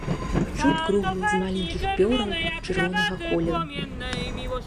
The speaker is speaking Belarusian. Чуб круглы, з маленькіх пёраў чырвонага колеру.